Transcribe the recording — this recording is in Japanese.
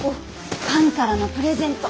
ファンからのプレゼント。